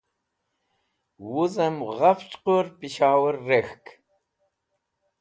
wuzem ghafch qur Pshowurer Rek̃hk